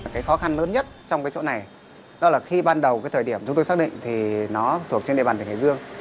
cái khó khăn lớn nhất trong cái chỗ này đó là khi ban đầu cái thời điểm chúng tôi xác định thì nó thuộc trên địa bàn tỉnh hải dương